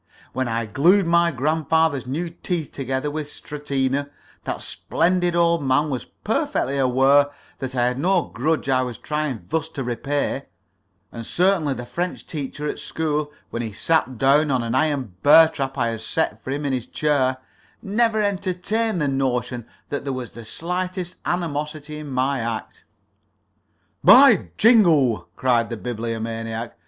When I glued my grandfather's new teeth together with stratina, that splendid old man was perfectly aware that I had no grudge I was trying thus to repay; and certainly the French teacher at school, when he sat down on an iron bear trap I had set for him in his chair, never entertained the notion that there was the slightest animosity in my act." "By jingo!" cried the Bibliomaniac.